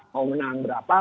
mau menang berapa